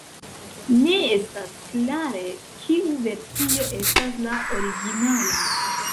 Ne estas klare kiu versio estas la originala.